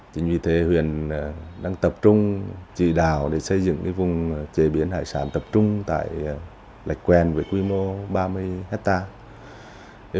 chính vì thế huyện đang tập trung chỉ đào để xây dựng vùng chế biến hải sản tập trung tại lạch quen với quy mô ba mươi hectare